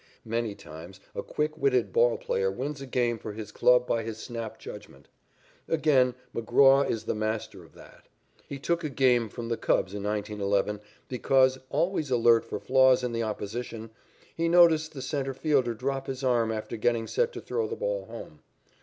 Many times a quick witted ball player wins a game for his club by his snap judgment. Again McGraw is the master of that. He took a game from the Cubs in 1911, because, always alert for flaws in the opposition, he noticed the centre fielder drop his arm after getting set to throw the ball home.